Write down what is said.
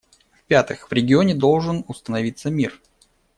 В-пятых, в регионе должен установиться мир.